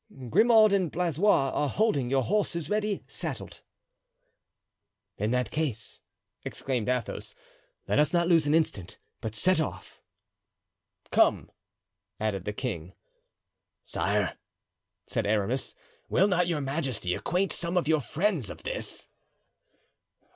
"Grimaud and Blaisois are holding your horses, ready saddled." "In that case," exclaimed Athos, "let us not lose an instant, but set off." "Come," added the king. "Sire," said Aramis, "will not your majesty acquaint some of your friends of this?"